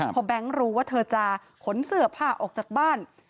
พอแบงค์รู้ว่าเธอจะขนเสื้อผ้าออกจากบ้าน